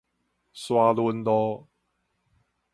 沙崙路